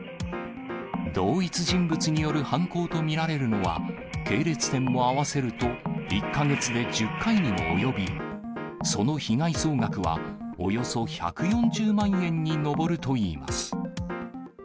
同一人物による犯行と見られるのは、系列店も合わせると１か月で１０回にもおよび、その被害総額はおよそ１４０万円に上るといいます。